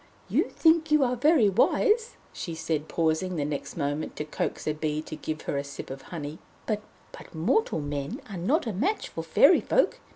"You think you are very wise," she said, pausing the next moment to coax a bee to give her a sip of honey, "but mortal men are not a match for Fairy Folk.